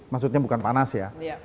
maksudnya bukan panas ya